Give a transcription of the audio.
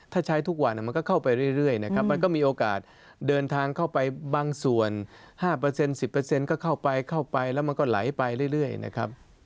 ถ้าใช้ทุกวันมันก็เข้าไปเรื่อยนะครับมันก็มีโอกาสเดินทางเข้าไปบางส่วน๕๑๐ก็เข้าไปเข้าไปแล้วมันก็ไหลไปเรื่อยนะครับ